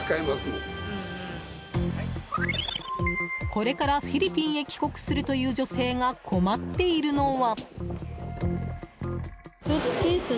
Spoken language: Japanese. これからフィリピンへ帰国するという女性が困っているのは。